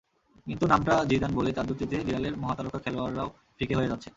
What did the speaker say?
কিন্তু নামটা জিদান বলেই তাঁর দ্যুতিতে রিয়ালের মহাতারকা খেলোয়াড়রাও ফিকে হয়ে যাচ্ছে।